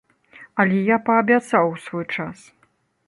Але я паабяцаў у свой час.